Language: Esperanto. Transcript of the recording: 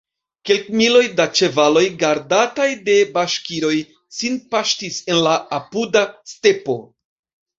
Kelkmiloj da ĉevaloj, gardataj de baŝkiroj, sin paŝtis en la apuda stepo.